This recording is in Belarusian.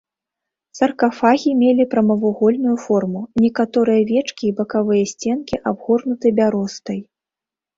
Саркафагі мелі прамавугольную форму, некаторыя вечкі і бакавыя сценкі абгорнуты бяростай.